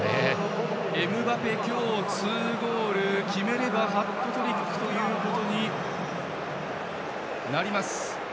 エムバペ、今日２ゴール決めればハットトリックとなります。